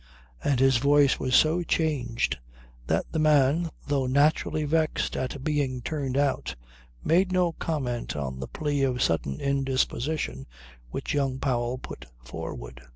And his voice was so changed that the man, though naturally vexed at being turned out, made no comment on the plea of sudden indisposition which young Powell put forward.